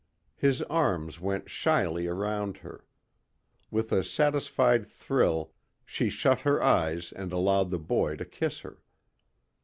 His arms went shyly around her. With a satisfied thrill, she shut her eyes and allowed the boy to kiss her.